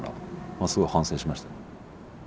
まあすごい反省しました。